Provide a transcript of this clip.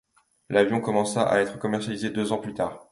L'avion commença à être commercialisé deux ans plus tard.